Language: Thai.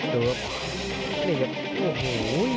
ดูครับนี่ครับโอ้โห